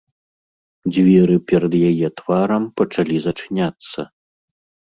Дзверы перад яе тварам пачалі зачыняцца.